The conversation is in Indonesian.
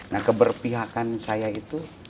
nah keberpihakan saya itu